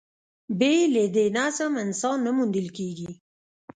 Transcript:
بې له دې نظم، اسناد نه موندل کېږي.